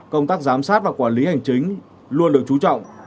công tác giám sát và quản lý hành chính luôn được chú trọng